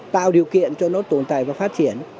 tạo điều kiện cho nó tồn tại và phát triển